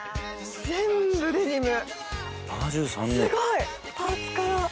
全部デニム！